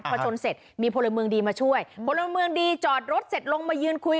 พอชนเสร็จมีพลเมืองดีมาช่วยพลเมืองดีจอดรถเสร็จลงมายืนคุย